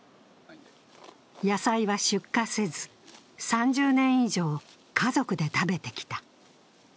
野菜は出荷せず、３０年以上家族で食べてきた。